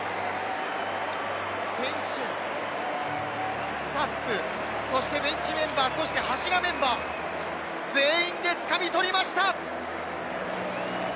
選手、スタッフ、そしてベンチメンバー、そして柱メンバー、全員でつかみ取りました。